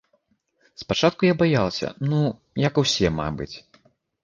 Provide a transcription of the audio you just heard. Спачатку я баялася, ну, як усе, мабыць.